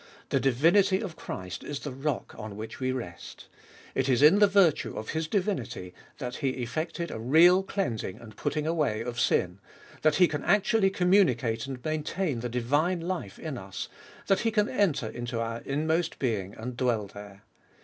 The divinity of Christ is the rock on which we rest. It is in virtue of His divinity that He effected a real cleansing and putting away of sin, that He can actually com municate and maintain the divine life in us, that He can enter into our inmost being, and dwell there.